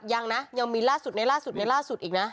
ยังนะยังมีล่าสุดในล่าสุดในล่าสุดอีกนะ